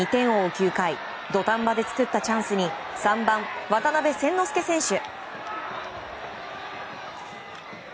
９回土壇場で作ったチャンスに３番、渡邉千之亮選手。